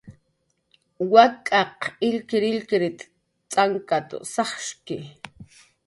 "Wak'aq illkirillkir t'ankat"" sajiski"